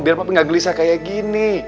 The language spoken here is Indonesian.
biar papi gak gelisah kayak gini